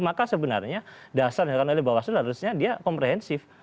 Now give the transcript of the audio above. maka sebenarnya dasarnya dari bawaslu harusnya dia komprehensif